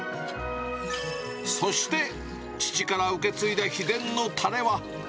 そして父から受け継いだ秘伝のたれは。